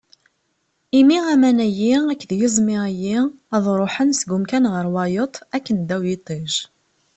Imi aman-agi akked yiẓmi-agi, ad ruḥen seg umkan ɣer wayeḍ akken ddaw n yiṭij.